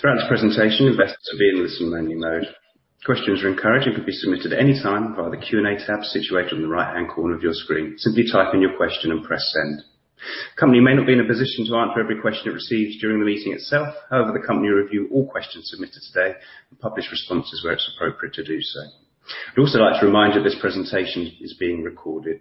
Throughout this presentation, investors will be in listen only mode. Questions are encouraged and can be submitted anytime via the Q&A tab situated on the right-hand corner of your screen. Simply type in your question and press send. The company may not be in a position to answer every question it receives during the meeting itself. However, the company review all questions submitted today and publish responses where it's appropriate to do so. I'd also like to remind you this presentation is being recorded.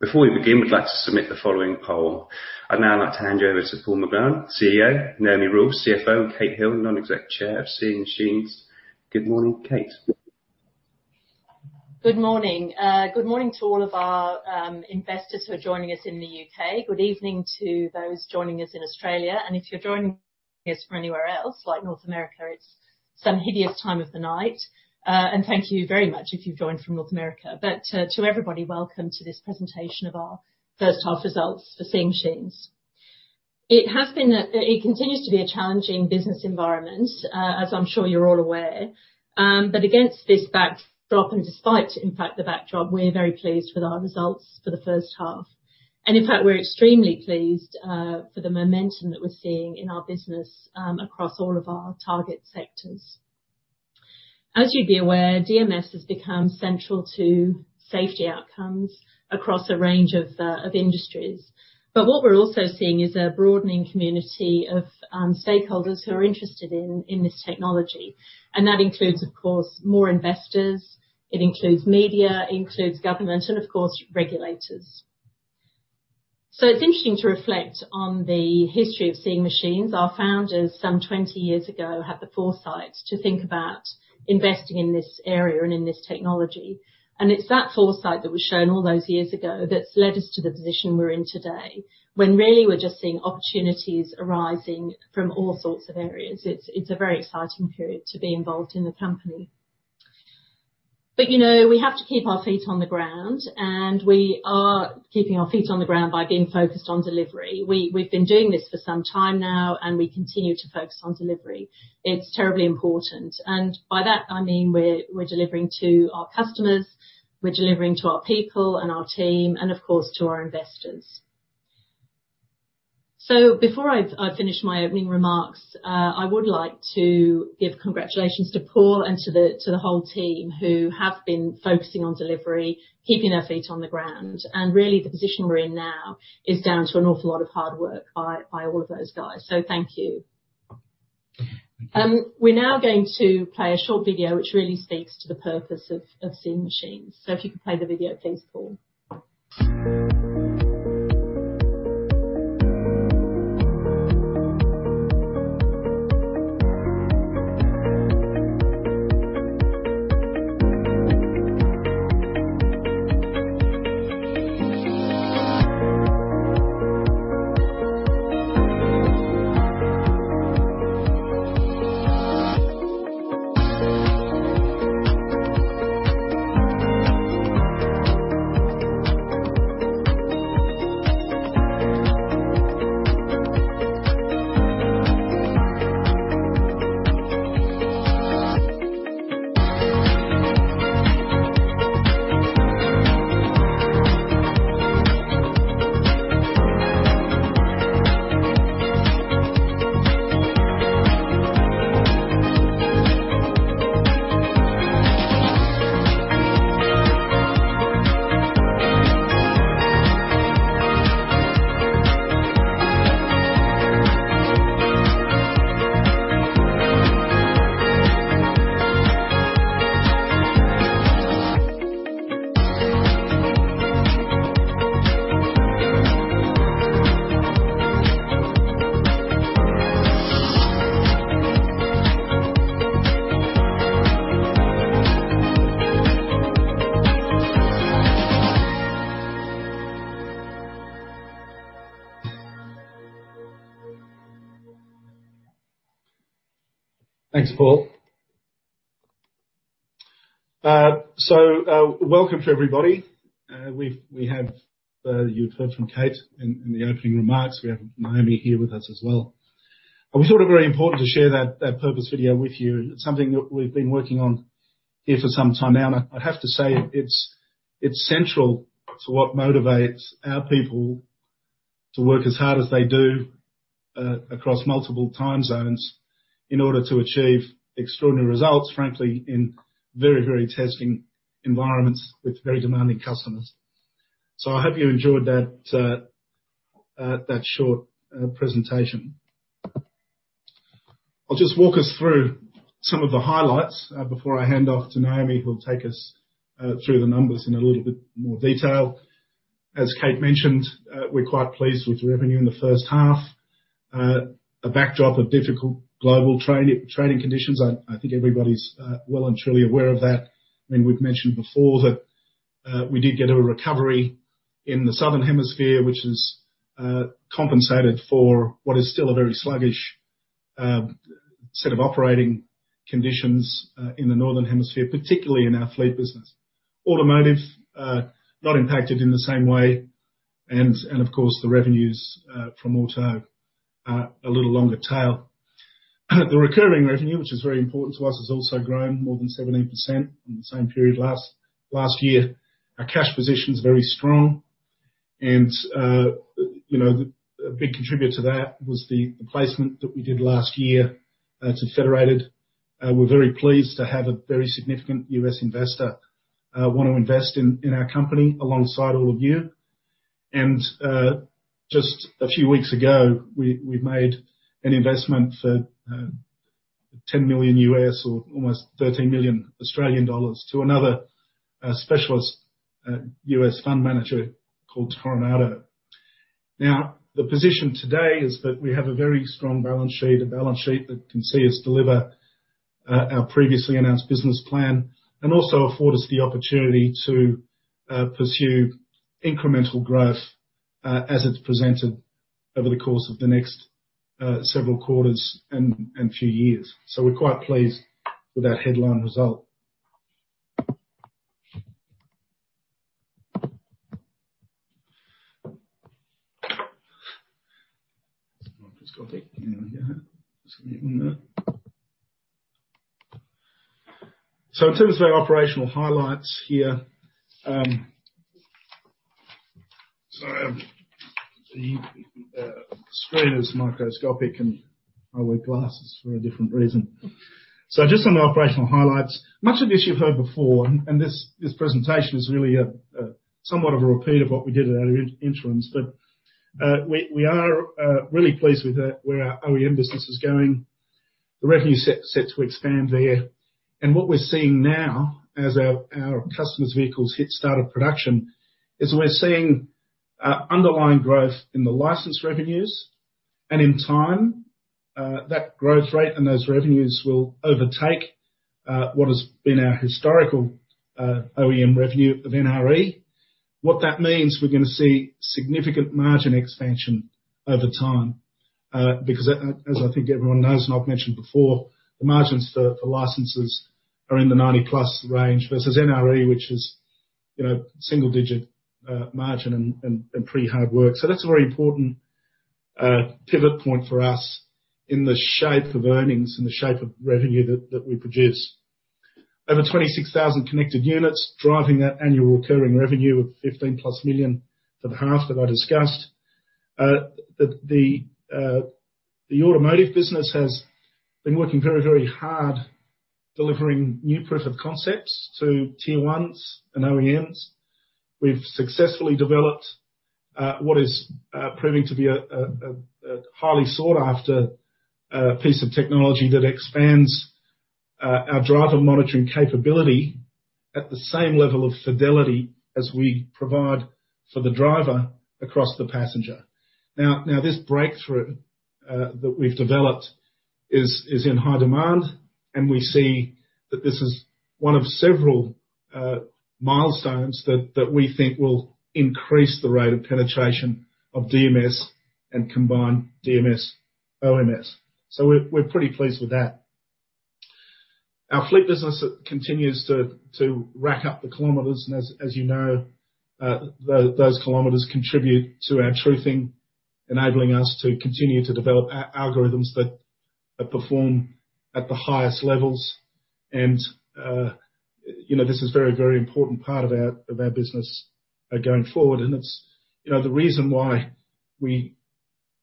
Before we begin, we'd like to submit the following poll. I'd now like to hand you over to Paul McGlone, CEO, Naomi Rule, CFO, and Kate Hill, Non-Executive Chair of Seeing Machines. Good morning, Kate. Good morning. Good morning to all of our investors who are joining us in the U.K. Good evening to those joining us in Australia. If you're joining us from anywhere else, like North America, it's some hideous time of the night. Thank you very much if you've joined from North America. To everybody, welcome to this presentation of our first half results for Seeing Machines. It continues to be a challenging business environment, as I'm sure you're all aware. Against this backdrop and despite, in fact, the backdrop, we're very pleased with our results for the first half. In fact, we're extremely pleased for the momentum that we're seeing in our business across all of our target sectors. As you'd be aware, DMS has become central to safety outcomes across a range of industries. What we're also seeing is a broadening community of stakeholders who are interested in this technology. That includes, of course, more investors. It includes media, includes government, and of course, regulators. It's interesting to reflect on the history of Seeing Machines. Our founders, some 20 years ago, had the foresight to think about investing in this area and in this technology. It's that foresight that was shown all those years ago that's led us to the position we're in today, when really we're just seeing opportunities arising from all sorts of areas. It's a very exciting period to be involved in the company. We have to keep our feet on the ground, and we are keeping our feet on the ground by being focused on delivery. We've been doing this for some time now, and we continue to focus on delivery. It's terribly important. By that I mean we're delivering to our customers, we're delivering to our people and our team, and of course to our investors. Before I finish my opening remarks, I would like to give congratulations to Paul and to the whole team who have been focusing on delivery, keeping their feet on the ground. Really, the position we're in now is down to an awful lot of hard work by all of those guys. Thank you. We're now going to play a short video which really speaks to the purpose of Seeing Machines. If you could play the video please, Paul. Thanks, Paul. Welcome to everybody. You've heard from Kate in the opening remarks. We have Naomi here with us as well. We thought it very important to share that purpose video with you. It's something that we've been working on here for some time now, and I have to say, it's central to what motivates our people to work as hard as they do across multiple time zones in order to achieve extraordinary results, frankly, in very testing environments with very demanding customers. I hope you enjoyed that short presentation. I'll just walk us through some of the highlights before I hand off to Naomi, who will take us through the numbers in a little bit more detail. As Kate mentioned, we're quite pleased with revenue in the first half. A backdrop of difficult global trading conditions. I think everybody's well and truly aware of that. We've mentioned before that we did get a recovery in the Southern Hemisphere, which has compensated for what is still a very sluggish set of operating conditions in the Northern Hemisphere, particularly in our fleet business. Automotive, not impacted in the same way. Of course, the revenues from auto are a little longer tail. The recurring revenue, which is very important to us, has also grown more than 17% on the same period last year. Our cash position is very strong. A big contributor to that was the placement that we did last year to Federated. We're very pleased to have a very significant U.S. investor want to invest in our company alongside all of you. Just a few weeks ago, we made an investment for $10 million or almost 13 million Australian dollars to another specialist U.S. fund manager called Toronado. The position today is that we have a very strong balance sheet. A balance sheet that can see us deliver our previously announced business plan and also afford us the opportunity to pursue incremental growth as it's presented over the course of the next several quarters and few years. We're quite pleased with that headline result. Microscopic in there. Just give me one minute. In terms of our operational highlights here. Sorry, the screen is microscopic, and I wear glasses for a different reason. Just on the operational highlights. Much of this you've heard before, and this presentation is really somewhat of a repeat of what we did at our interims. We are really pleased with where our OEM business is going. The revenue is set to expand there. What we're seeing now as our customers' vehicles hit start of production is we're seeing underlying growth in the license revenues. In time, that growth rate and those revenues will overtake what has been our historical OEM revenue of NRE. What that means, we're going to see significant margin expansion over time, because as I think everyone knows, and I've mentioned before, the margins for licenses are in the 90+ range versus NRE, which is single-digit margin and pretty hard work. That's a very important pivot point for us in the shape of earnings and the shape of revenue that we produce. Over 26,000 connected units driving that annual recurring revenue of 15+ million for the half that I discussed. The automotive business has been working very hard delivering new proof of concepts to Tier 1s and OEMs. We've successfully developed what is proving to be a highly sought-after piece of technology that expands our driver monitoring capability at the same level of fidelity as we provide for the driver across the passenger. This breakthrough that we've developed is in high demand, we see that this is one of several milestones that we think will increase the rate of penetration of DMS and combined DMS/OMS. We're pretty pleased with that. Our fleet business continues to rack up the kilometers, as you know, those kilometers contribute to our truthing, enabling us to continue to develop algorithms that perform at the highest levels. This is a very important part of our business going forward. It's the reason why we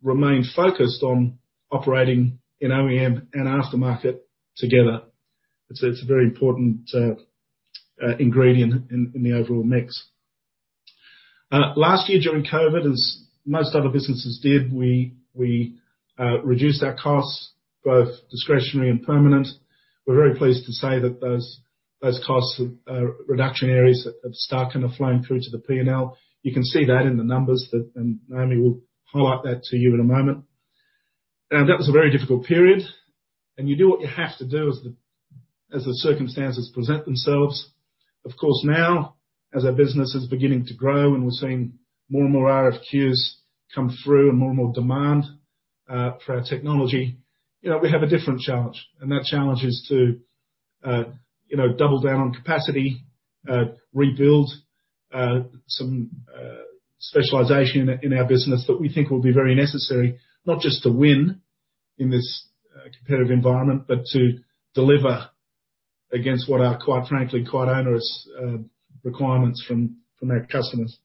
remain focused on operating in OEM and aftermarket together. It's a very important ingredient in the overall mix. Last year during COVID, as most other businesses did, we reduced our costs, both discretionary and permanent. We're very pleased to say that those cost reduction areas have stuck and are flowing through to the P&L. You can see that in the numbers. Naomi will highlight that to you in a moment. That was a very difficult period, and you do what you have to do as the circumstances present themselves. Of course, now as our business is beginning to grow and we're seeing more and more RFQs come through and more and more demand for our technology, we have a different challenge. That challenge is to double down on capacity, rebuild some specialization in our business that we think will be very necessary, not just to win in this competitive environment, but to deliver against what are, quite frankly, quite onerous requirements from our customers.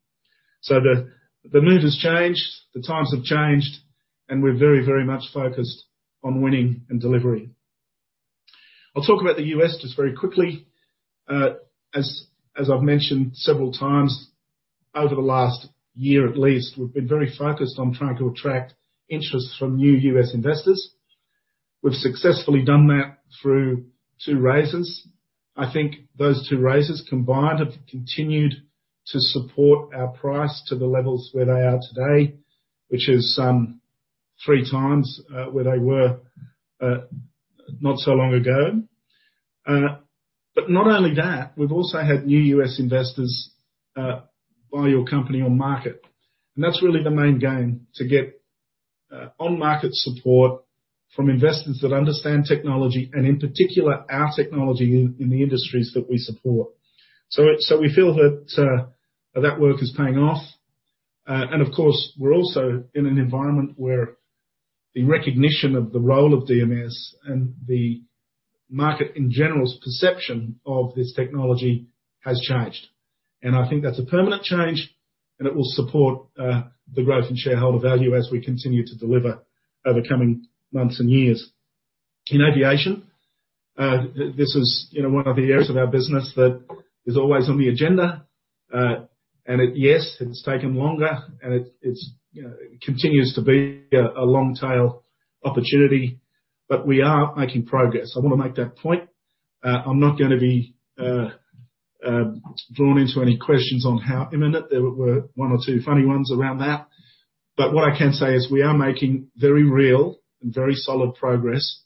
The mood has changed, the times have changed, and we're very much focused on winning and delivering. I'll talk about the U.S. just very quickly. As I've mentioned several times over the last year at least, we've been very focused on trying to attract interest from new U.S. investors. We've successfully done that through two raises. I think those two raises combined have continued to support our price to the levels where they are today, which is 3x where they were not so long ago. Not only that, we've also had new U.S. investors buy our company on market, and that's really the main game, to get on-market support from investors that understand technology and in particular, our technology in the industries that we support. We feel that that work is paying off. Of course, we're also in an environment where the recognition of the role of DMS and the market in general's perception of this technology has changed, and I think that's a permanent change, and it will support the growth in shareholder value as we continue to deliver over coming months and years. In aviation, this is one of the areas of our business that is always on the agenda. Yes, it's taken longer and it continues to be a long tail opportunity, but we are making progress. I want to make that point. I'm not going to be drawn into any questions on how imminent. There were one or two funny ones around that. What I can say is we are making very real and very solid progress,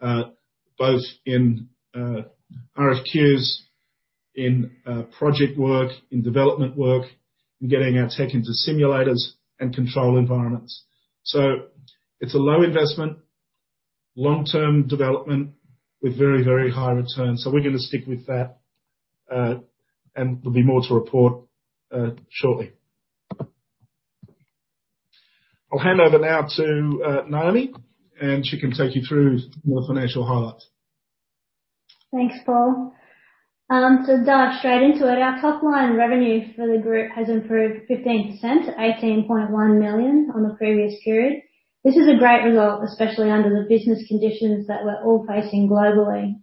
both in RFQs, in project work, in development work, in getting our tech into simulators and control environments. It's a low investment, long-term development with very high returns. We're going to stick with that, and there'll be more to report shortly. I'll hand over now to Naomi, and she can take you through more financial highlights. Thanks, Paul. To dive straight into it, our top-line revenue for the group has improved 15%, 18.1 million on the previous period. This is a great result, especially under the business conditions that we're all facing globally.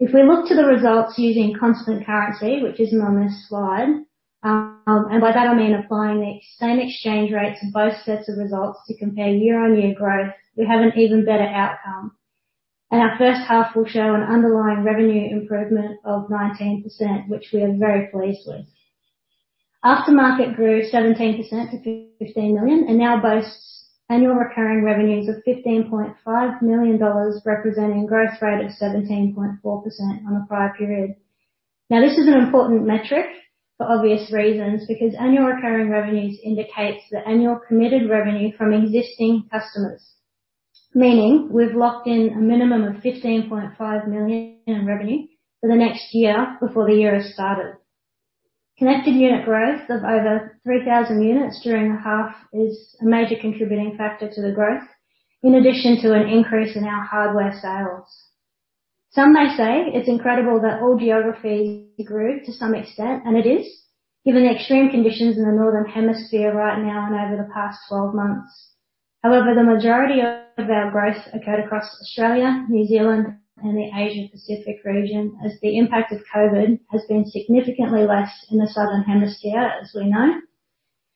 If we look to the results using constant currency, which isn't on this slide, and by that I mean applying the same exchange rates for both sets of results to compare year-over-year growth, we have an even better outcome. Our first half will show an underlying revenue improvement of 19%, which we are very pleased with. Aftermarket grew 17% to 15 million and now boasts annual recurring revenues of 15.5 million dollars, representing growth rate of 17.4% on the prior period. This is an important metric for obvious reasons, because annual recurring revenues indicates the annual committed revenue from existing customers. Meaning we've locked in a minimum of $15.5 million in revenue for the next year before the year has started. Connected unit growth of over 3,000 units during the half is a major contributing factor to the growth, in addition to an increase in our hardware sales. Some may say it's incredible that all geographies grew to some extent, and it is, given the extreme conditions in the northern hemisphere right now and over the past 12 months. However, the majority of our growth occurred across Australia, New Zealand, and the Asia Pacific region, as the impact of COVID-19 has been significantly less in the southern hemisphere, as we know,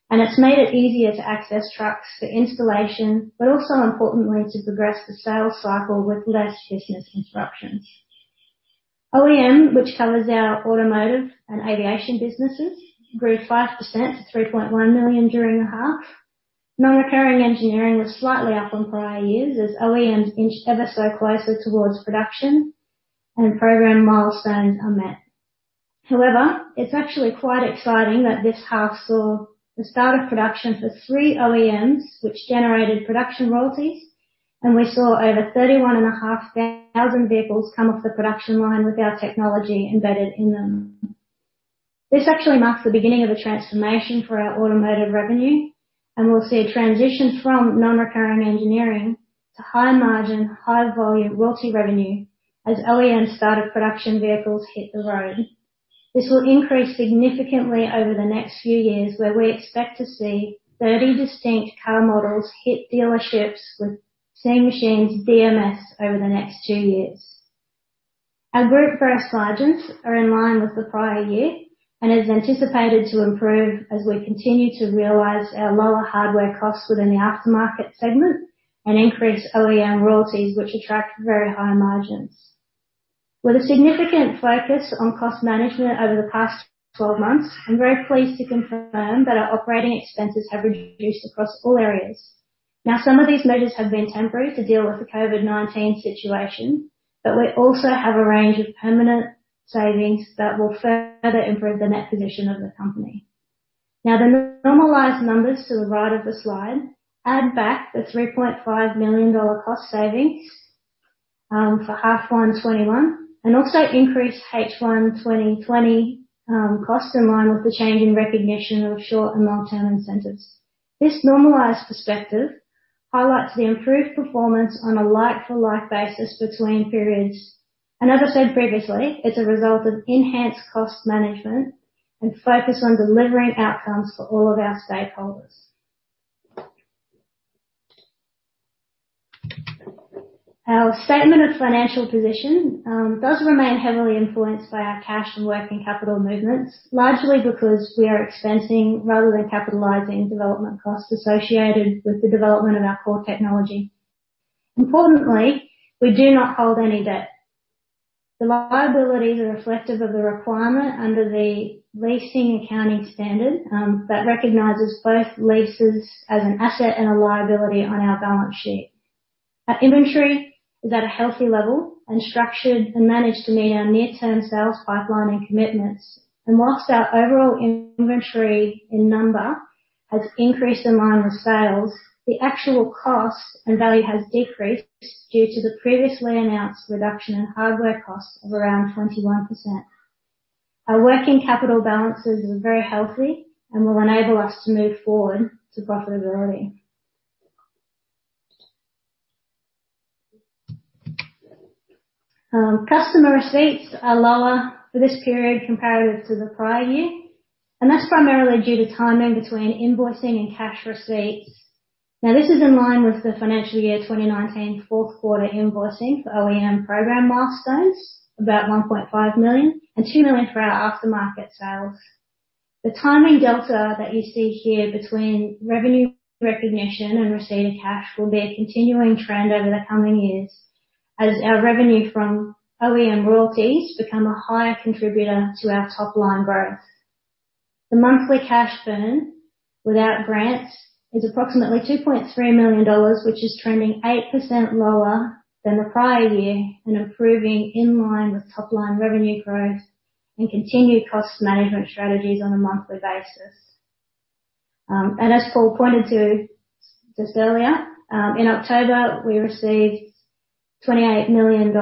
and it's made it easier to access trucks for installation, but also importantly, to progress the sales cycle with less business disruptions. OEM, which covers our automotive and aviation businesses, grew 5% to $3.1 million during the half. Non-recurring engineering was slightly up on prior years as three OEMs inched ever so closer towards production and program milestones are met. It's actually quite exciting that this half saw the start of production for three OEMs which generated production royalties, and we saw over 31,500 vehicles come off the production line with our technology embedded in them. This actually marks the beginning of a transformation for our automotive revenue, we'll see a transition from non-recurring engineering to high margin, high volume royalty revenue as OEM start of production vehicles hit the road. This will increase significantly over the next few years, where we expect to see 30 distinct car models hit dealerships with Seeing Machines DMS over the next two years. Our group gross margins are in line with the prior year and is anticipated to improve as we continue to realize our lower hardware costs within the aftermarket segment and increase OEM royalties, which attract very high margins. With a significant focus on cost management over the past 12 months, I'm very pleased to confirm that our operating expenses have reduced across all areas. Some of these measures have been temporary to deal with the COVID-19 situation, but we also have a range of permanent savings that will further improve the net position of the company. The normalized numbers to the right of the slide add back the 3.5 million dollar cost savings, for half 1 2021 and also increase H1 2020 cost in line with the change in recognition of short and long-term incentives. This normalized perspective highlights the improved performance on a like for like basis between periods. As I said previously, it's a result of enhanced cost management and focus on delivering outcomes for all of our stakeholders. Our statement of financial position does remain heavily influenced by our cash and working capital movements, largely because we are expensing rather than capitalizing development costs associated with the development of our core technology. Importantly, we do not hold any debt. The liabilities are reflective of the requirement under the leasing accounting standard, that recognizes both leases as an asset and a liability on our balance sheet. Our inventory is at a healthy level and structured and managed to meet our near-term sales pipeline and commitments. Whilst our overall inventory in number has increased in line with sales, the actual cost and value has decreased due to the previously announced reduction in hardware costs of around 21%. Our working capital balances are very healthy and will enable us to move forward to profitability. Customer receipts are lower for this period comparative to the prior year, and that's primarily due to timing between invoicing and cash receipts. This is in line with the FY 2019 fourth quarter invoicing for OEM program milestones, about 1.5 million and 2 million for our aftermarket sales. The timing delta that you see here between revenue recognition and receipt of cash will be a continuing trend over the coming years as our revenue from OEM royalties become a higher contributor to our top-line growth. The monthly cash burn without grants is approximately $2.3 million, which is trending 8% lower than the prior year and improving in line with top-line revenue growth and continued cost management strategies on a monthly basis. As Paul pointed to just earlier, in October, we received $28 million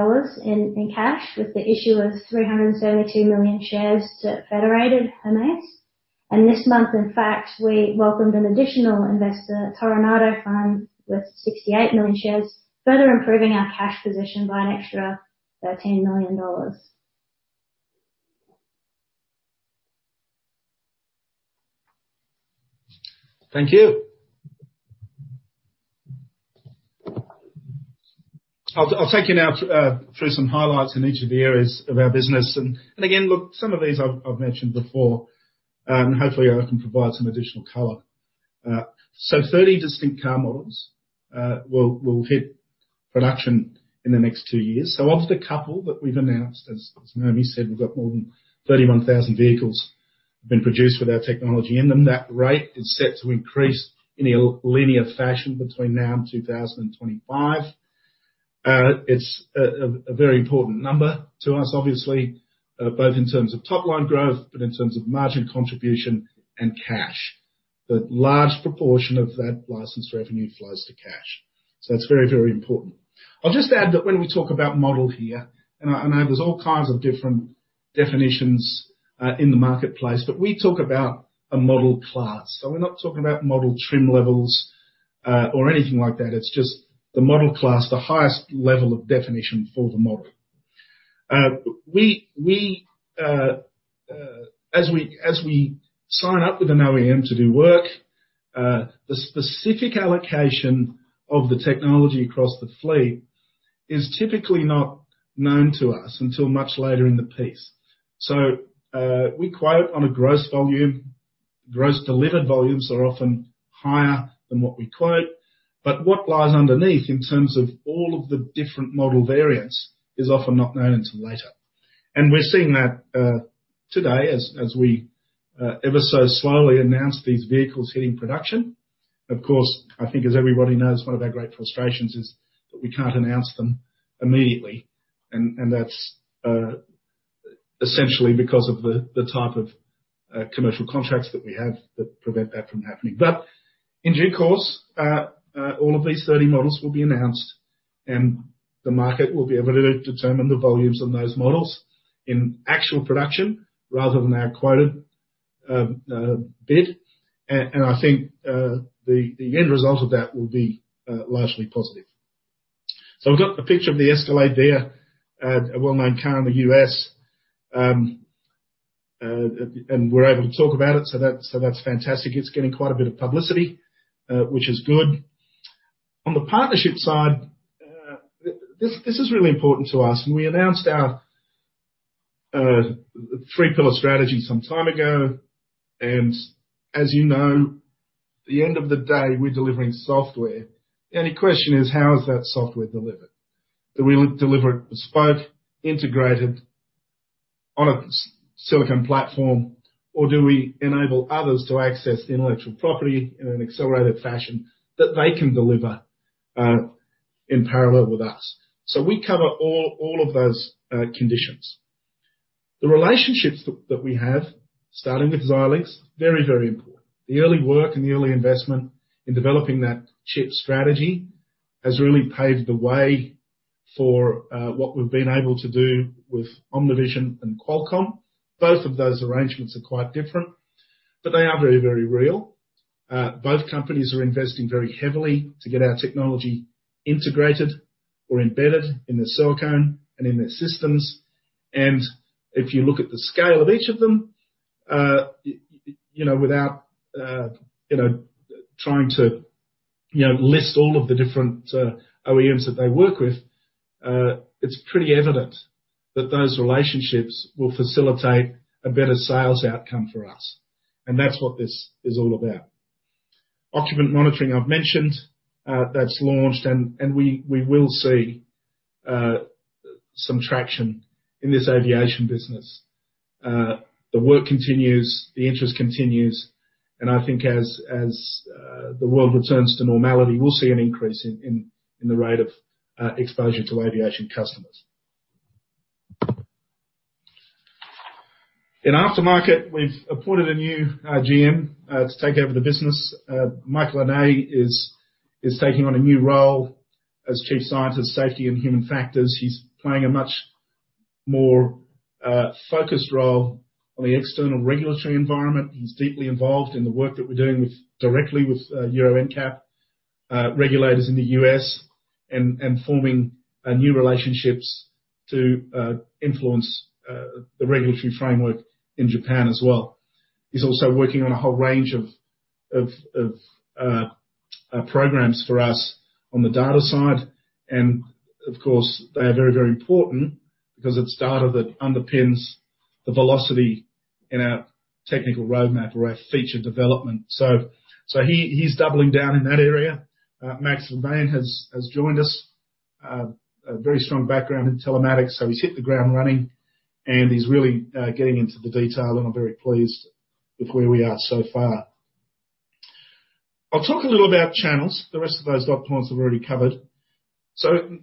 in cash with the issue of 372 million shares to Federated Hermes. This month, in fact, we welcomed an additional investor, Toronado Fund, with 68 million shares, further improving our cash position by an extra $13 million. Thank you. I'll take you now through some highlights in each of the areas of our business. Again, look, some of these I've mentioned before. Hopefully, I can provide some additional color. 30 distinct car models will hit production in the next two years. Of the couple that we've announced, as Naomi said, we've got more than 31,000 vehicles have been produced with our technology in them. That rate is set to increase in a linear fashion between now and 2025. It's a very important number to us, obviously, both in terms of top-line growth, but in terms of margin contribution and cash. The large proportion of that license revenue flows to cash. It's very, very important. I'll just add that when we talk about model here, and I know there's all kinds of different definitions in the marketplace, but we talk about a model class. We're not talking about model trim levels or anything like that. It's just the model class, the highest level of definition for the model. As we sign up with an OEM to do work, the specific allocation of the technology across the fleet is typically not known to us until much later in the piece. We quote on a gross volume. Gross delivered volumes are often higher than what we quote, but what lies underneath in terms of all of the different model variants is often not known until later. We're seeing that today as we ever so slowly announce these vehicles hitting production. Of course, I think as everybody knows, one of our great frustrations is that we can't announce them immediately, and that's essentially because of the type of commercial contracts that we have that prevent that from happening. In due course, all of these 30 models will be announced, and the market will be able to determine the volumes on those models in actual production rather than our quoted bid. I think the end result of that will be largely positive. We've got the picture of the Escalade there, a well-known car in the U.S. We're able to talk about it, so that's fantastic. It's getting quite a bit of publicity, which is good. On the partnership side, this is really important to us, and we announced our three-pillar strategy some time ago. As you know, the end of the day, we're delivering software. The only question is, how is that software delivered? Do we deliver it bespoke, integrated on a silicon platform, or do we enable others to access the intellectual property in an accelerated fashion that they can deliver in parallel with us? We cover all of those conditions. The relationships that we have, starting with Xilinx, very, very important. The early work and the early investment in developing that chip strategy has really paved the way for what we've been able to do with OmniVision and Qualcomm. Both of those arrangements are quite different, but they are very, very real. Both companies are investing very heavily to get our technology integrated or embedded in their silicon and in their systems. If you look at the scale of each of them, without trying to list all of the different OEMs that they work with, it's pretty evident that those relationships will facilitate a better sales outcome for us, and that's what this is all about. Occupant monitoring, I've mentioned, that's launched, and we will see some traction in this aviation business. The work continues, the interest continues, and I think as the world returns to normality, we'll see an increase in the rate of exposure to aviation customers. In aftermarket, we've appointed a new GM to take over the business. Mike Lenné is taking on a new role as Chief Scientist, Safety and Human Factors, he's playing a much more focused role on the external regulatory environment. He's deeply involved in the work that we're doing directly with Euro NCAP, regulators in the U.S., and forming new relationships to influence the regulatory framework in Japan as well. Of course, they are very important because it's data that underpins the velocity in our technical roadmap or our feature development. He's doubling down in that area. Max Verberne has joined us. A very strong background in telematics, so he's hit the ground running and he's really getting into the detail, and I'm very pleased with where we are so far. I'll talk a little about channels. The rest of those dot points I've already covered.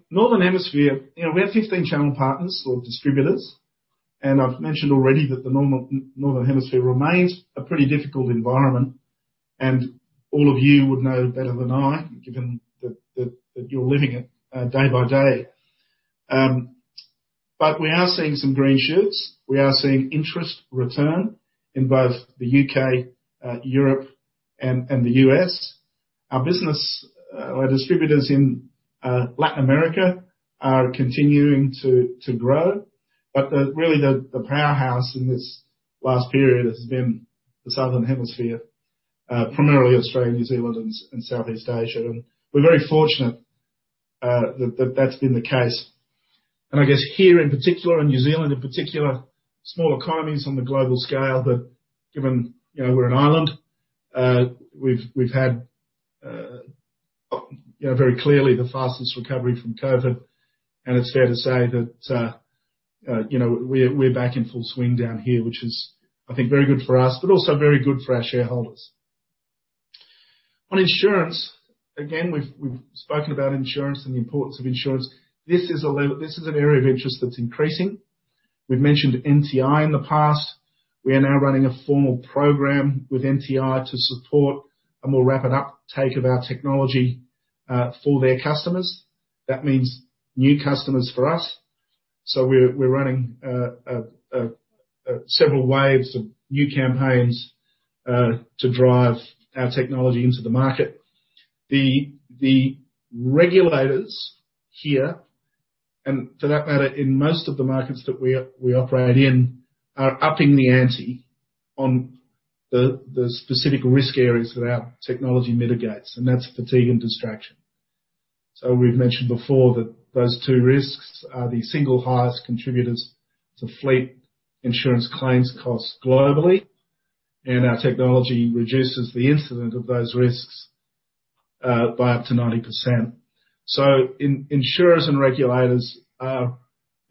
Northern Hemisphere, we have 15 channel partners or distributors. I've mentioned already that the Northern Hemisphere remains a pretty difficult environment, and all of you would know better than I, given that you're living it day by day. We are seeing some green shoots. We are seeing interest return in both the U.K., Europe, and the U.S. Our distributors in Latin America are continuing to grow. Really the powerhouse in this last period has been the Southern Hemisphere, primarily Australia, New Zealand, and Southeast Asia. We're very fortunate that's been the case. I guess here in particular, in New Zealand in particular, small economies on the global scale, but given we're an island, we've had very clearly the fastest recovery from COVID, and it's fair to say that we're back in full swing down here, which is, I think, very good for us, but also very good for our shareholders. On insurance, again, we've spoken about insurance and the importance of insurance. This is an area of interest that's increasing. We've mentioned NTI in the past. We are now running a formal program with NTI to support a more rapid uptake of our technology for their customers. That means new customers for us. We're running several waves of new campaigns to drive our technology into the market. The regulators here, and for that matter, in most of the markets that we operate in, are upping the ante on the specific risk areas that our technology mitigates, and that's fatigue and distraction. We've mentioned before that those two risks are the single highest contributors to fleet insurance claims costs globally, and our technology reduces the incidence of those risks by up to 90%. Insurers and regulators are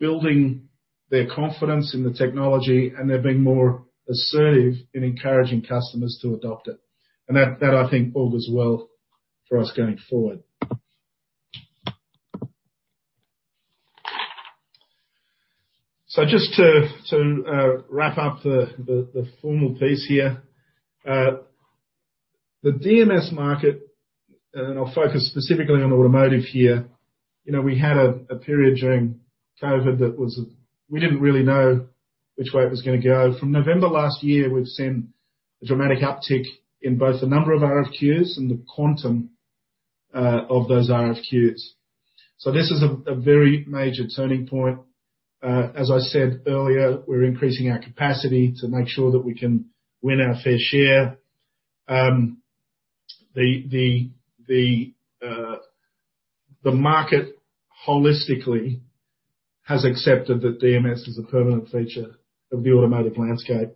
building their confidence in the technology, and they're being more assertive in encouraging customers to adopt it. That, I think, all goes well for us going forward. Just to wrap up the formal piece here. The DMS market, and I'll focus specifically on automotive here. We had a period during COVID we didn't really know which way it was going to go. From November last year, we've seen a dramatic uptick in both the number of RFQs and the quantum of those RFQs. This is a very major turning point. As I said earlier, we're increasing our capacity to make sure that we can win our fair share. The market holistically has accepted that DMS is a permanent feature of the automotive landscape.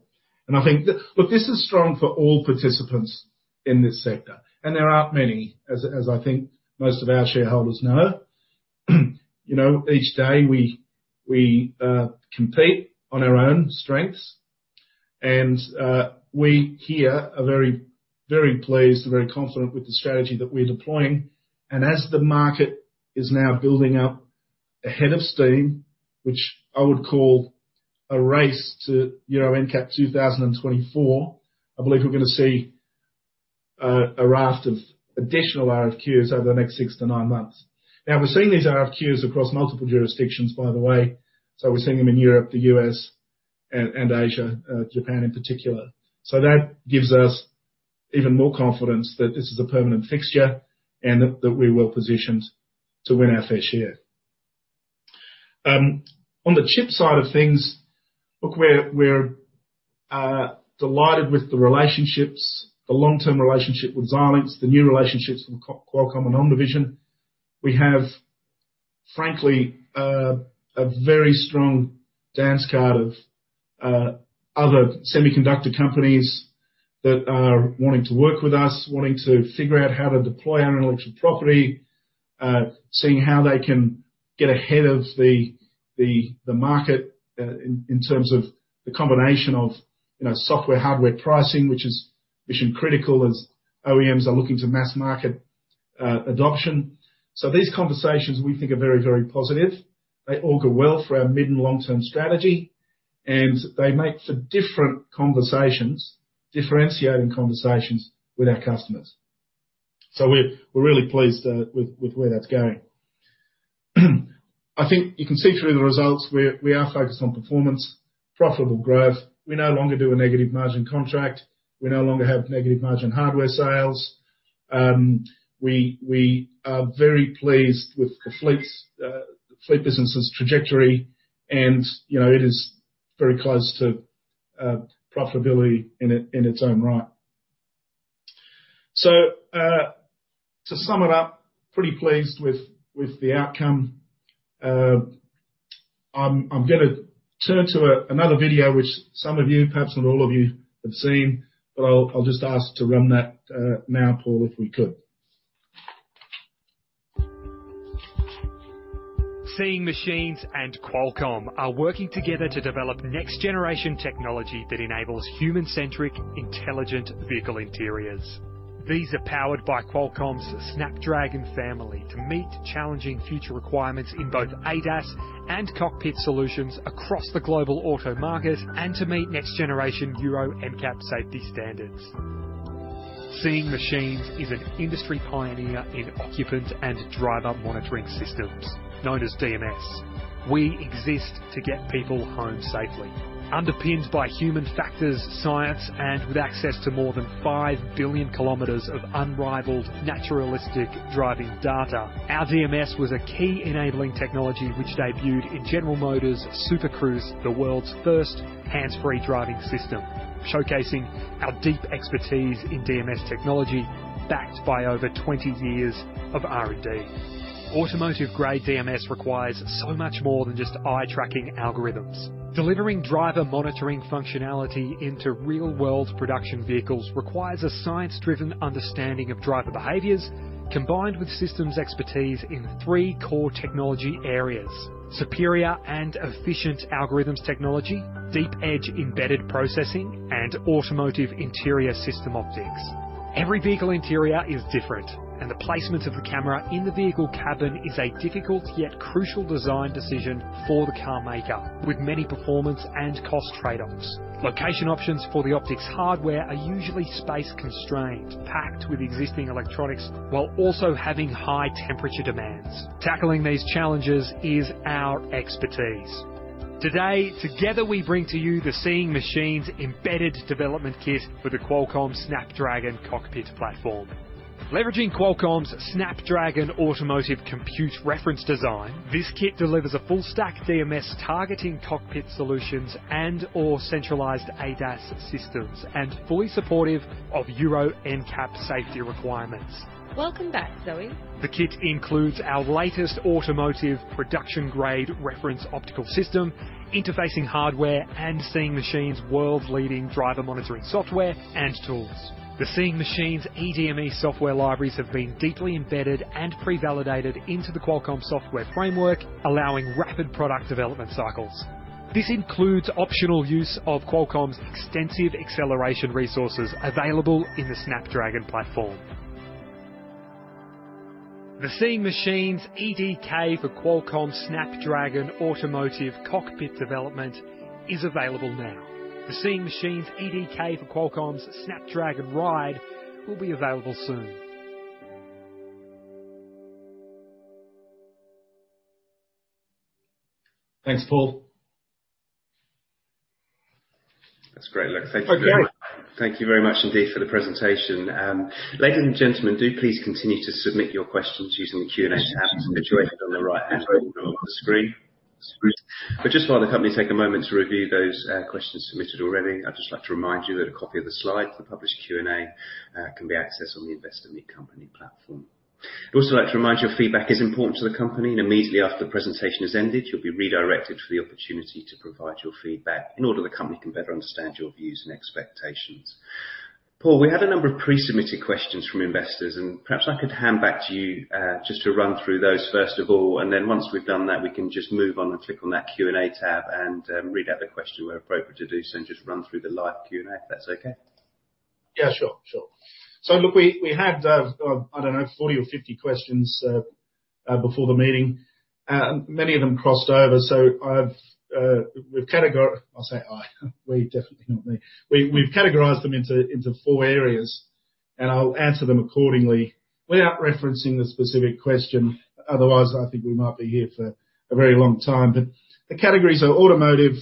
This is strong for all participants in this sector, and there aren't many, as I think most of our shareholders know. Each day we compete on our own strengths and we here are very pleased and very confident with the strategy that we're deploying. As the market is now building up a head of steam, which I would call a race to Euro NCAP 2024, I believe we're going to see a raft of additional RFQs over the next six to nine months. We're seeing these RFQs across multiple jurisdictions, by the way. We're seeing them in Europe, the U.S., and Asia, Japan in particular. That gives us even more confidence that this is a permanent fixture and that we're well-positioned to win our fair share. On the chip side of things, look, we're delighted with the relationships, the long-term relationship with Xilinx, the new relationships with Qualcomm and OmniVision. We have, frankly, a very strong dance card of other semiconductor companies that are wanting to work with us, wanting to figure out how to deploy our intellectual property, seeing how they can get ahead of the market in terms of the combination of software-hardware pricing, which is mission-critical as OEM are looking to mass market adoption. These conversations we think are very, very positive. They all go well for our mid and long-term strategy. They make for different conversations, differentiating conversations, with our customers. We're really pleased with where that's going. I think you can see through the results, we are focused on performance, profitable growth. We no longer do a negative margin contract. We no longer have negative margin hardware sales. We are very pleased with the fleet business' trajectory. It is very close to profitability in its own right. To sum it up, pretty pleased with the outcome. I'm going to turn to another video, which some of you, perhaps not all of you, have seen. I'll just ask to run that now, Paul, if we could. Seeing Machines and Qualcomm are working together to develop next-generation technology that enables human-centric, intelligent vehicle interiors. These are powered by Qualcomm's Snapdragon family to meet challenging future requirements in both ADAS and cockpit solutions across the global auto market, and to meet next-generation Euro NCAP safety standards. Seeing Machines is an industry pioneer in occupant and driver monitoring systems, known as DMS. We exist to get people home safely. Underpinned by human factors science and with access to more than five billion kilometers of unrivaled naturalistic driving data. Our DMS was a key enabling technology which debuted in General Motors Super Cruise, the world's first hands-free driving system, showcasing our deep expertise in DMS technology, backed by over 20 years of R&D. Automotive grade DMS requires so much more than just eye-tracking algorithms. Delivering driver monitoring functionality into real-world production vehicles requires a science-driven understanding of driver behaviors, combined with systems expertise in three core technology areas. Superior and efficient algorithms technology, deep edge embedded processing, and automotive interior system optics. Every vehicle interior is different, and the placement of a camera in the vehicle cabin is a difficult yet crucial design decision for the car maker, with many performance and cost trade-offs. Location options for the optics hardware are usually space-constrained, packed with existing electronics while also having high temperature demands. Tackling these challenges is our expertise. Today, together, we bring to you the Seeing Machines Embedded Development Kit with the Qualcomm Snapdragon Cockpit platform. Leveraging Qualcomm's Snapdragon Automotive Compute reference design, this kit delivers a full stack DMS targeting cockpit solutions and/or centralized ADAS systems, and fully supportive of Euro NCAP safety requirements. Welcome back, Zoe. The kit includes our latest automotive production-grade reference optical system, interfacing hardware, and Seeing Machines' world-leading driver monitoring software and tools. The Seeing Machines eDME software libraries have been deeply embedded and pre-validated into the Qualcomm software framework, allowing rapid product development cycles. This includes optional use of Qualcomm's extensive acceleration resources available in the Snapdragon platform. The Seeing Machines EDK for Qualcomm Snapdragon Cockpit Platform development is available now. The Seeing Machines EDK for Qualcomm's Snapdragon Ride will be available soon. Thanks, Paul. That's great. Look, thank you very much. Okay. Thank you very much indeed for the presentation. Ladies and gentlemen, do please continue to submit your questions using the Q&A tab situated on the right-hand side of the screen. Just while the company take a moment to review those questions submitted already, I'd just like to remind you that a copy of the slides and the published Q&A can be accessed on the Investor Meet Company platform. I'd also like to remind you, your feedback is important to the company, and immediately after the presentation has ended, you'll be redirected for the opportunity to provide your feedback in order the company can better understand your views and expectations. Paul, we had a number of pre-submitted questions from investors, and perhaps I could hand back to you, just to run through those first of all, and then once we've done that, we can just move on and click on that Q&A tab and read out the question where appropriate to do so and just run through the live Q&A, if that's okay? Yeah, sure. Look, we had, I don't know, 40 or 50 questions before the meeting. Many of them crossed over. I say I. We, definitely not me. We've categorized them into four areas, and I'll answer them accordingly without referencing the specific question. Otherwise, I think we might be here for a very long time. The categories are automotive,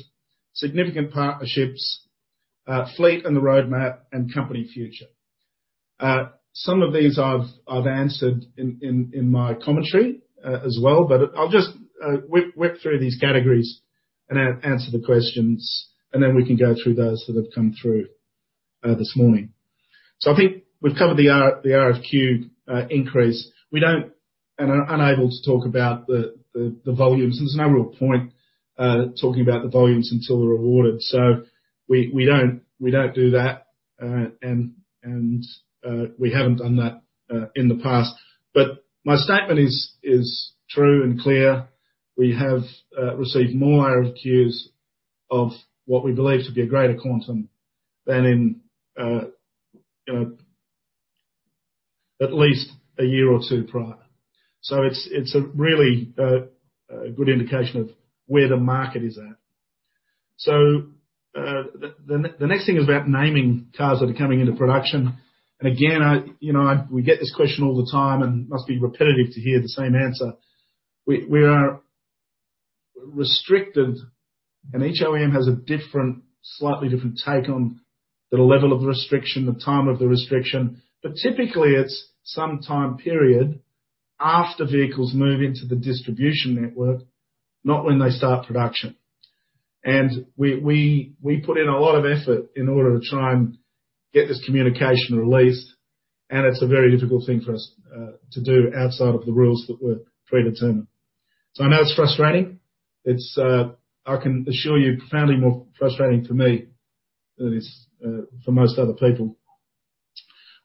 significant partnerships, fleet and the roadmap, and company future. Some of these I've answered in my commentary as well, I'll just whip through these categories and answer the questions, and then we can go through those that have come through this morning. I think we've covered the RFQ increase. We don't and are unable to talk about the volumes. There's no real point talking about the volumes until we're awarded. We don't do that, and we haven't done that in the past. My statement is true and clear. We have received more RFQ of what we believe to be a greater quantum than at least a year or two prior. It's a really good indication of where the market is at. The next thing is about naming cars that are coming into production. Again, we get this question all the time, and it must be repetitive to hear the same answer. We are restricted, each OEM has a slightly different take on the level of restriction, the time of the restriction. Typically, it's some time period after vehicles move into the distribution network, not when they start production. We put in a lot of effort in order to try and get this communication released, and it's a very difficult thing for us to do outside of the rules that we're predetermined. I know it's frustrating. I can assure you, profoundly more frustrating for me than it is for most other people.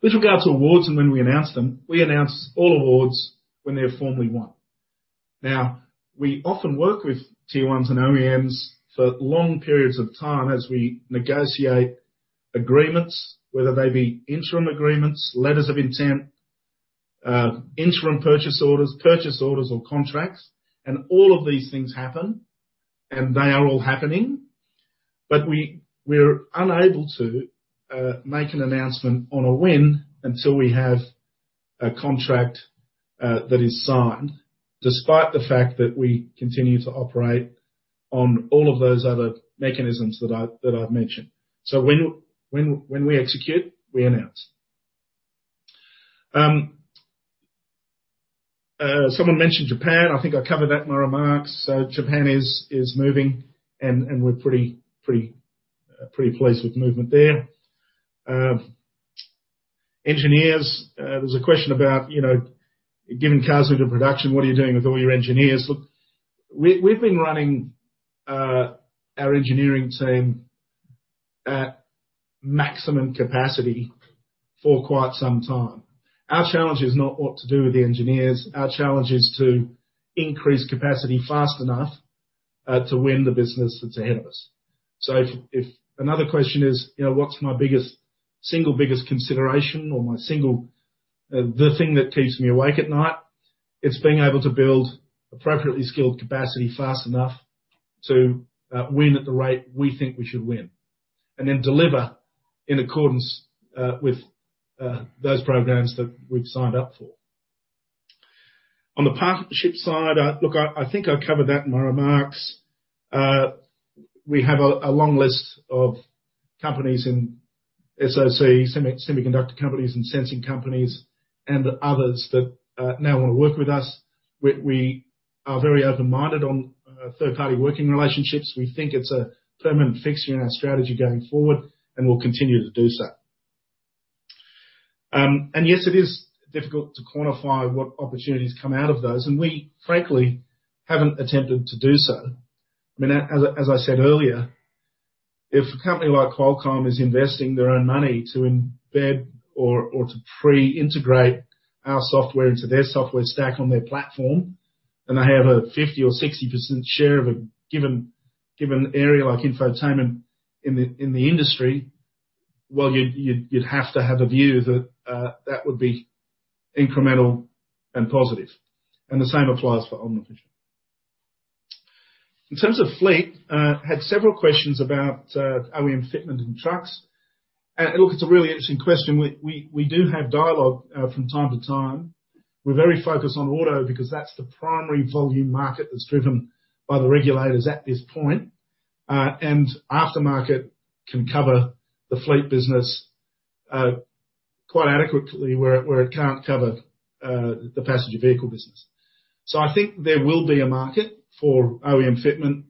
With regard to awards and when we announce them, we announce all awards when they are formally won. Now, we often work with Tier 1s and OEMs for long periods of time as we negotiate agreements, whether they be interim agreements, letters of intent, interim purchase orders, purchase orders or contracts. All of these things happen, and they are all happening. We're unable to make an announcement on a win until we have a contract that is signed, despite the fact that we continue to operate on all of those other mechanisms that I've mentioned. When we execute, we announce. Someone mentioned Japan. I think I covered that in my remarks. Japan is moving, and we're pretty pleased with movement there. Engineers. There's a question about giving cars into production, what are you doing with all your engineers? Look, we've been running our engineering team at maximum capacity for quite some time. Our challenge is not what to do with the engineers. Our challenge is to increase capacity fast enough to win the business that's ahead of us. If another question is, what's my single biggest consideration or the thing that keeps me awake at night? It's being able to build appropriately skilled capacity fast enough to win at the rate we think we should win, and then deliver in accordance with those programs that we've signed up for. On the partnership side, look, I think I covered that in my remarks. We have a long list of companies in SoC, semiconductor companies and sensing companies and others that now want to work with us. We are very open-minded on third-party working relationships. We think it's a permanent fixture in our strategy going forward, and we'll continue to do so. Yes, it is difficult to quantify what opportunities come out of those, and we frankly haven't attempted to do so. As I said earlier, if a company like Qualcomm is investing their own money to embed or to pre-integrate our software into their software stack on their platform, and they have a 50% or 60% share of a given area like infotainment in the industry, well, you'd have to have a view that that would be incremental and positive. The same applies for OmniVision. In terms of fleet, had several questions about OEM fitment in trucks. Look, it's a really interesting question. We do have dialogue from time to time. We're very focused on auto because that's the primary volume market that's driven by the regulators at this point. Aftermarket can cover the fleet business quite adequately where it can't cover the passenger vehicle business. I think there will be a market for OEM fitment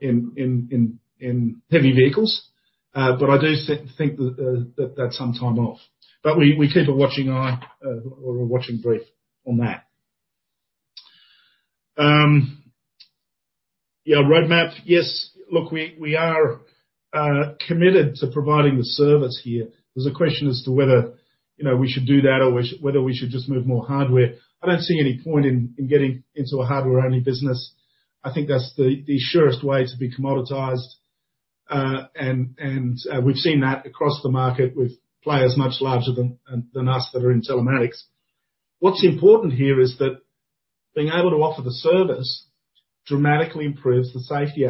in heavy vehicles. I do think that that's some time off. We keep a watching eye or a watching brief on that. Yeah, roadmap. Yes, look, we are committed to providing the service here. There's a question as to whether we should do that or whether we should just move more hardware. I don't see any point in getting into a hardware-only business. I think that's the surest way to be commoditized. We've seen that across the market with players much larger than us that are in telematics. What's important here is that being able to offer the service dramatically improves the safety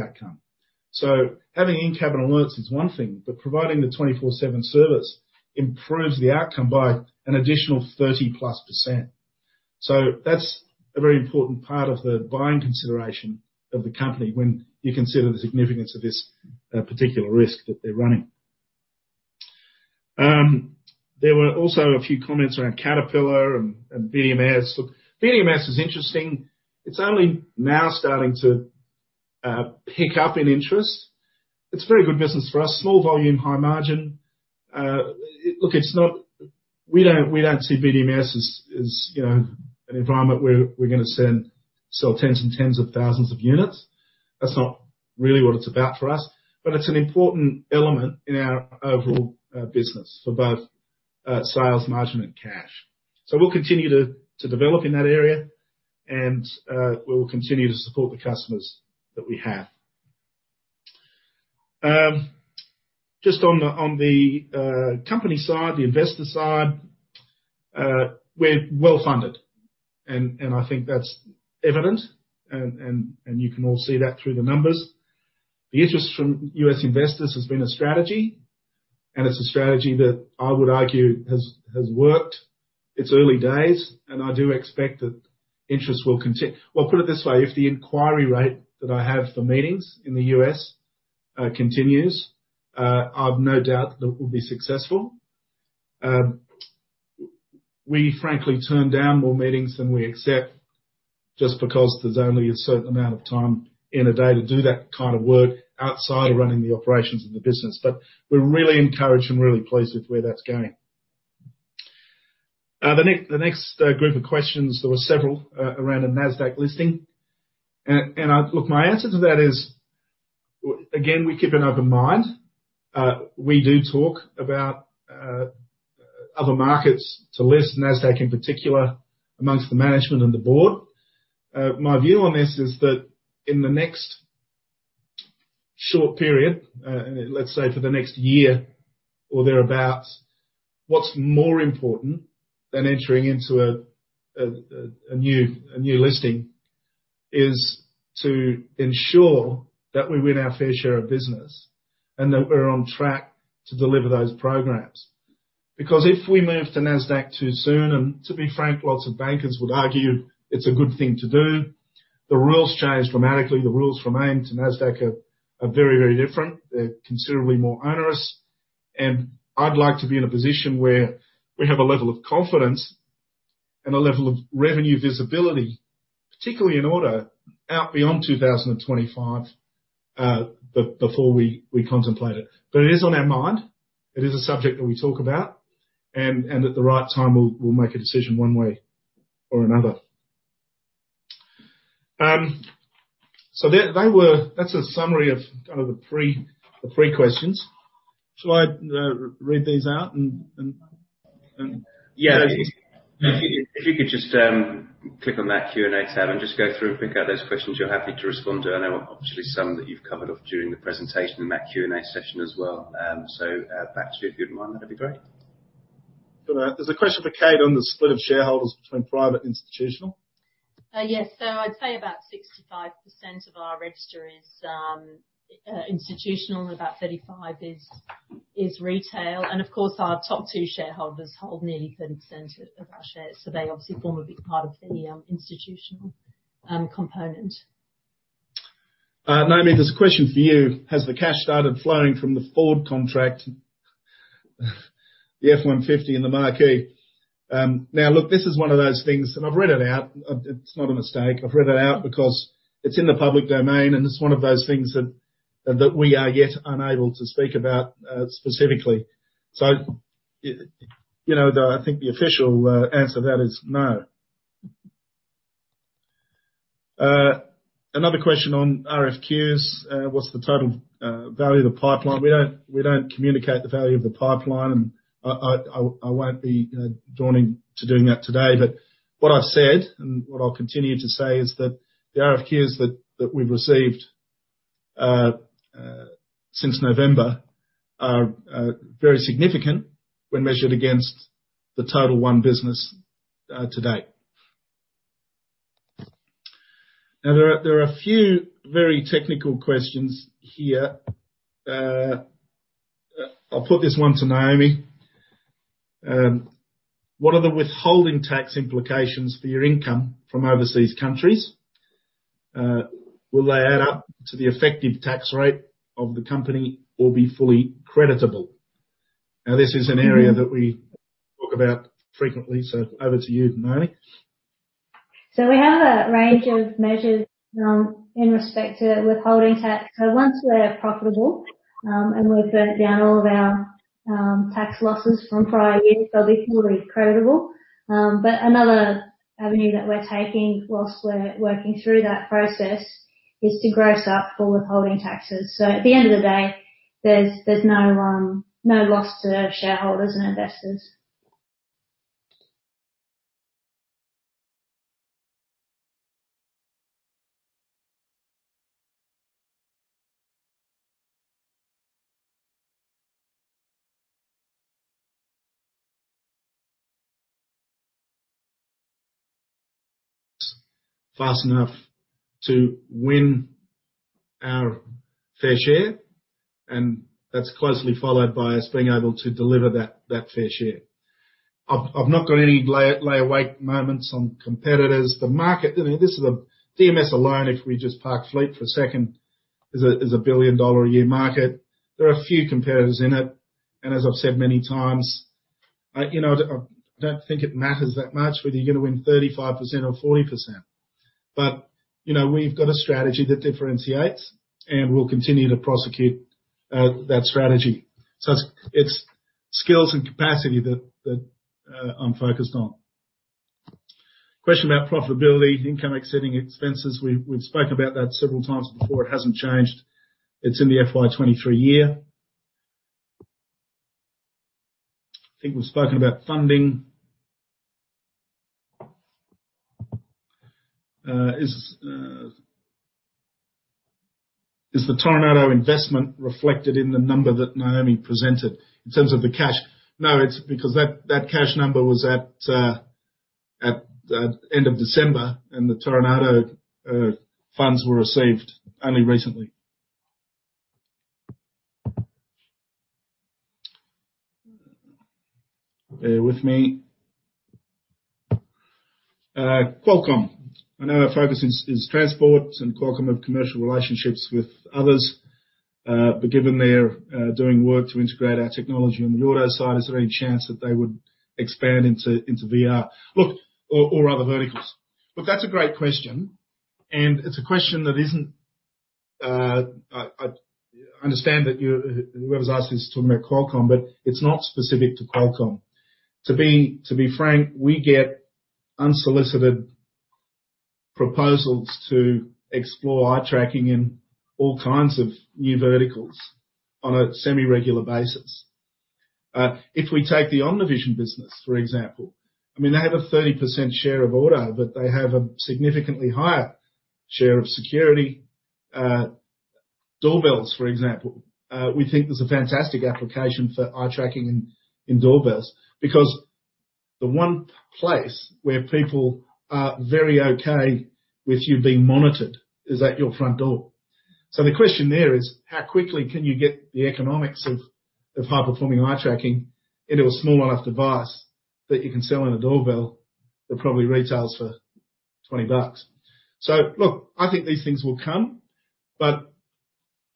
outcome. Having in-cabin alerts is one thing, but providing the 24/7 service improves the outcome by an additional 30+%. That's a very important part of the buying consideration of the company when you consider the significance of this particular risk that they're running. There were also a few comments around Caterpillar and BMS. BMS is interesting. It's only now starting to pick up in interest. It's very good business for us. Small volume, high margin. We don't see BMS as an environment where we're going to sell tens and tens of thousands of units. That's not really what it's about for us. It's an important element in our overall business for both sales margin and cash. We'll continue to develop in that area and we will continue to support the customers that we have. Just on the company side, the investor side, we're well-funded, and I think that's evident, and you can all see that through the numbers. The interest from U.S. investors has been a strategy, and it's a strategy that I would argue has worked. It's early days, and I do expect that interest will continue. Put it this way, if the inquiry rate that I have for meetings in the U.S. continues, I've no doubt that we'll be successful. We frankly turn down more meetings than we accept just because there's only a certain amount of time in a day to do that kind of work outside of running the operations of the business. We're really encouraged and really pleased with where that's going. The next group of questions, there were several around a Nasdaq listing. Look, my answer to that is, again, we keep an open mind. We do talk about other markets to list, Nasdaq in particular, amongst the management and the board. My view on this is that in the next short period, let's say for the next year or thereabout, what's more important than entering into a new listing is to ensure that we win our fair share of business and that we're on track to deliver those programs. If we move to Nasdaq too soon, and to be frank, lots of bankers would argue it's a good thing to do. The rules change dramatically. The rules from AIM to Nasdaq are very different. They're considerably more onerous. I'd like to be in a position where we have a level of confidence and a level of revenue visibility, particularly in Auto out beyond 2025, before we contemplate it. It is on our mind. It is a subject that we talk about, and at the right time, we'll make a decision one way or another. That's a summary of the three questions. Shall I read these out? Yeah. If you could just click on that Q&A tab and just go through and pick out those questions you're happy to respond to. I know obviously some that you've covered off during the presentation and that Q&A session as well. Back to you, if you wouldn't mind, that'd be great. There's a question for Kate on the split of shareholders between private and institutional. Yes. I'd say about 65% of our register is institutional and about 35% is retail. Of course, our top two shareholders hold nearly 30% of our shares, so they obviously form a big part of the institutional component. Naomi, there's a question for you. Has the cash started flowing from the Ford contract? The F-150 and the Mach-E. Look, this is one of those things, and I've read it out. It's not a mistake. I've read it out because it's in the public domain, and it's one of those things that we are yet unable to speak about specifically. I think the official answer to that is no. Another question on RFQ. What's the total value of the pipeline? We don't communicate the value of the pipeline, and I won't be drawing to doing that today. What I've said, and what I'll continue to say is that the RFQ that we've received since November are very significant when measured against the total one business to date. There are a few very technical questions here. I'll put this one to Naomi. What are the withholding tax implications for your income from overseas countries? Will they add up to the effective tax rate of the company or be fully creditable? This is an area that we talk about frequently, so over to you, Naomi. We have a range of measures in respect to withholding tax. Once we're profitable, and we've burnt down all of our tax losses from prior years, they'll be fully creditable. Another avenue that we're taking whilst we're working through that process is to gross up for withholding taxes. At the end of the day, there's no loss to shareholders and investors. Fast enough to win our fair share, and that's closely followed by us being able to deliver that fair share. I've not got any lay awake moments on competitors. The market, this is DMS alone, if we just park fleet for a second, is a billion-dollar-a-year market. There are a few competitors in it, and as I've said many times, I don't think it matters that much whether you're going to win 35% or 40%. We've got a strategy that differentiates, and we'll continue to prosecute that strategy. It's skills and capacity that I'm focused on. Question about profitability, income exceeding expenses. We've spoken about that several times before. It hasn't changed. It's in the FY 2023 year. I think we've spoken about funding. Is the Toronado investment reflected in the number that Naomi presented in terms of the cash? No, because that cash number was at the end of December, and the Toronado funds were received only recently. Bear with me. Qualcomm. I know our focus is transport and Qualcomm have commercial relationships with others. Given they're doing work to integrate our technology on the auto side, is there any chance that they would expand into VR or other verticals? Look, that's a great question, and it's a question that I understand that whoever's asked this is talking about Qualcomm, but it's not specific to Qualcomm. To be frank, we get unsolicited proposals to explore eye-tracking in all kinds of new verticals on a semi-regular basis. If we take the OmniVision business, for example, they have a 30% share of auto, but they have a significantly higher share of security. Doorbells, for example. We think there's a fantastic application for eye-tracking in doorbells because the one place where people are very okay with you being monitored is at your front door. The question there is how quickly can you get the economics of high-performing eye-tracking into a small enough device that you can sell in a doorbell that probably retails for $20. I think these things will come, but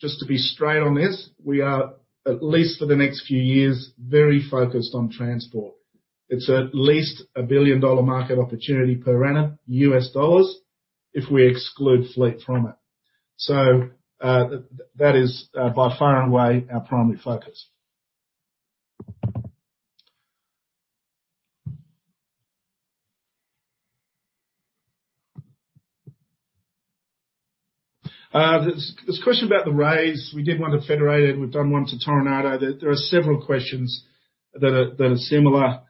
just to be straight on this, we are, at least for the next few years, very focused on transport. It's at least a $1 billion market opportunity per annum, US dollars, if we exclude fleet from it. That is by far and away our primary focus. There's a question about the raise. We did one to Federated, we've done one to Toronado. There are several questions that are similar.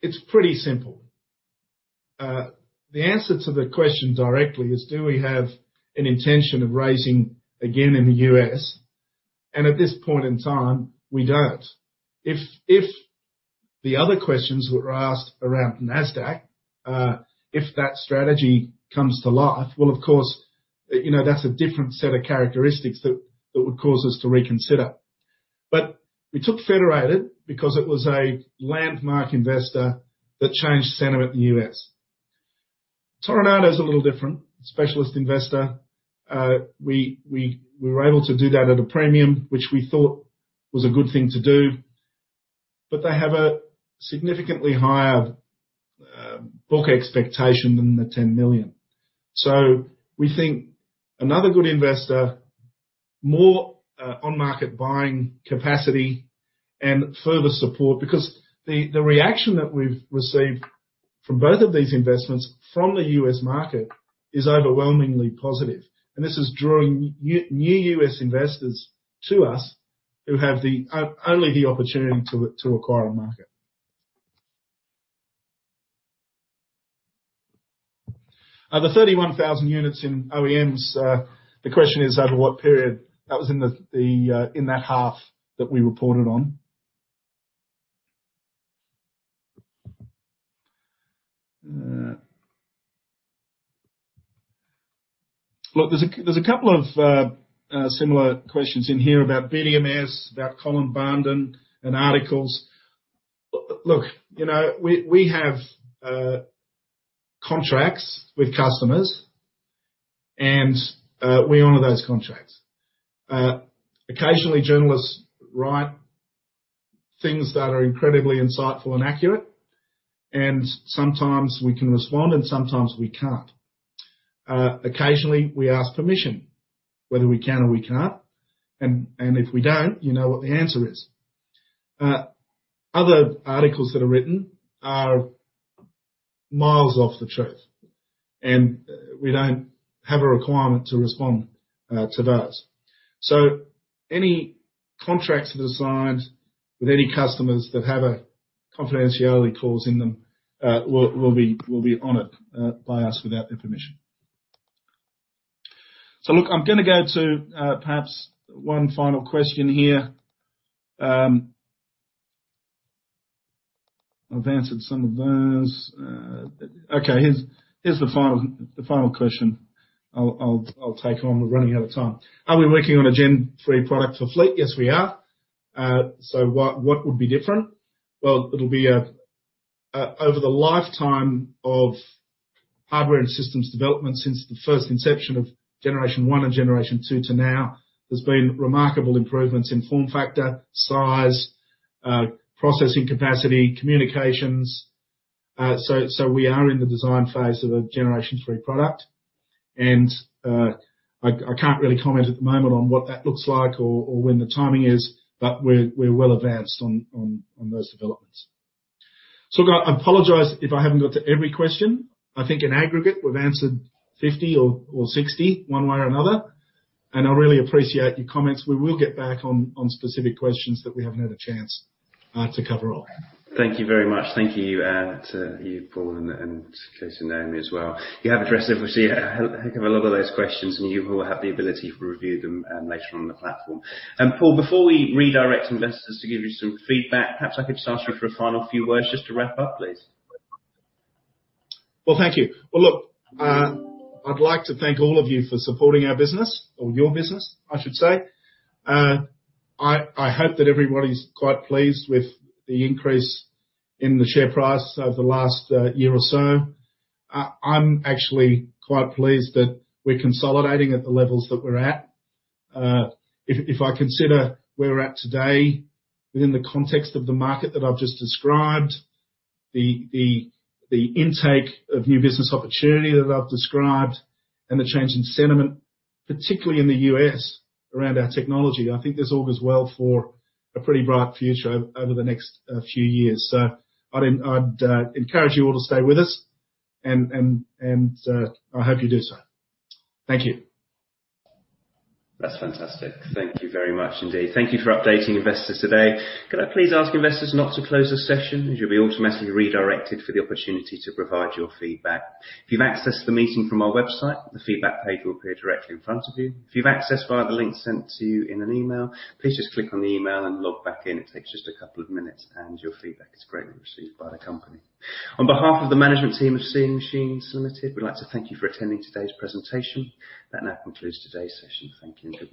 It's pretty simple. The answer to the question directly is do we have an intention of raising again in the U.S.? At this point in time, we don't. If the other questions that were asked around Nasdaq, if that strategy comes to life, well, of course, that's a different set of characteristics that would cause us to reconsider. We took Federated because it was a landmark investor that changed sentiment in the U.S. Toronado is a little different, a specialist investor. We were able to do that at a premium, which we thought was a good thing to do, but they have a significantly higher book expectation than the $10 million. We think another good investor, more on-market buying capacity, and further support. The reaction that we've received from both of these investments from the U.S. market is overwhelmingly positive. This is drawing new U.S. investors to us who have only the opportunity to acquire on market. The 31,000 units in OEMs, the question is over what period? That was in that half that we reported on. There's a couple of similar questions in here about BMS, about Colin Barnden and articles. We have contracts with customers, and we honor those contracts. Occasionally, journalists write things that are incredibly insightful and accurate, and sometimes we can respond, and sometimes we can't. Occasionally, we ask permission whether we can or we can't. If we don't, you know what the answer is. Other articles that are written are miles off the truth, and we don't have a requirement to respond to those. Any contracts that are signed with any customers that have a confidentiality clause in them will be honored by us without information. Look, I am going to go to perhaps one final question here. I have answered some of those. Okay. Here is the final question I will take. We are running out of time. Are we working on a Gen 3 product for fleet? Yes, we are. What would be different? Well, over the lifetime of hardware and systems development since the first inception of generation 1 and generation 2 to now, there has been remarkable improvements in form factor, size, processing capacity, communications. We are in the design phase of a generation 3 product, and I cannot really comment at the moment on what that looks like or when the timing is, but we are well advanced on those developments. Look, I apologize if I have not got to every question. I think in aggregate, we've answered 50 or 60 one way or another. I really appreciate your comments. We will get back on specific questions that we haven't had a chance to cover off. Thank you very much. Thank you to you, Paul, and Kate and Naomi as well. You have addressed, obviously, heck of a lot of those questions, and you will have the ability to review them later on the platform. Paul, before we redirect investors to give you some feedback, perhaps I could just ask you for a final few words just to wrap up, please. Well, thank you. Well, look, I'd like to thank all of you for supporting our business or your business, I should say. I hope that everybody's quite pleased with the increase in the share price over the last year or so. I'm actually quite pleased that we're consolidating at the levels that we're at. If I consider where we're at today within the context of the market that I've just described, the intake of new business opportunity that I've described, and the change in sentiment, particularly in the U.S. around our technology, I think this augurs well for a pretty bright future over the next few years. I'd encourage you all to stay with us, and I hope you do so. Thank you. That's fantastic. Thank you very much indeed. Thank you for updating investors today. Could I please ask investors not to close this session as you'll be automatically redirected for the opportunity to provide your feedback. If you've accessed the meeting from our website, the feedback page will appear directly in front of you. If you've accessed via the link sent to you in an email, please just click on the email and log back in. It takes just a couple of minutes, and your feedback is greatly received by the company. On behalf of the management team of Seeing Machines Limited, we'd like to thank you for attending today's presentation. That now concludes today's session. Thank you.